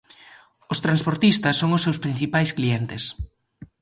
Os transportistas son os seus principais clientes.